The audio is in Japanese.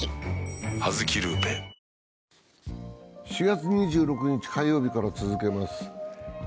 ４月２６日、火曜日から続けます。